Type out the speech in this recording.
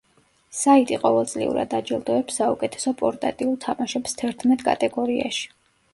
საიტი ყოველწლიურად აჯილდოებს საუკეთესო პორტატიულ თამაშებს თერთმეტ კატეგორიაში.